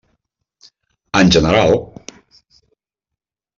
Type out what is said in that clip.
En general: